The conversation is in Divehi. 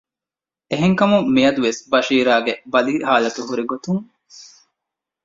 އެހެންނަމަވެސް މިއަދު ބަޝީރާގެ ބަލިހާލަތު ހުރިގޮތުން ކުރިން ކުރިހާ ބުރަކޮން މަސައްކަތް ކޮށެއް ނޫޅެވެ